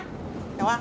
đúng không ạ